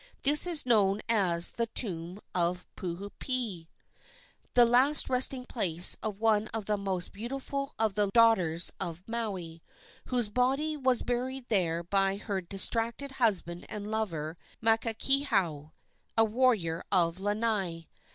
This is known as "The tomb of Puupehe" the last resting place of one of the most beautiful of the daughters of Maui, whose body was buried there by her distracted husband and lover, Makakehau, a warrior of Lanai.